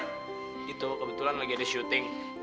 itu kebetulan lagi ada syuting